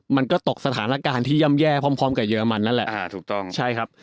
มันก็ตกสถานการณ์ที่ย่ำแย่พร้อมกับเยอรมันนั่นแหละ